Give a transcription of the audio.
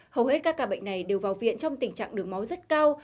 hầu hết các ca bệnh này đều vào viện trong tình trạng đường máu rất cao